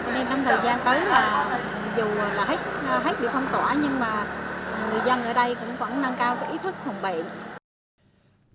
nên trong thời gian tới là dù là hết bị phong tỏa nhưng mà người dân ở đây cũng vẫn nâng cao ý thức phòng bệnh